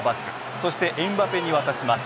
そしてエムバペに渡します。